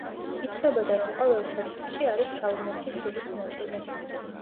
ითვლებოდა, რომ ყოველ ცეცხლში არის ქალღმერთის სულის ნაწილი.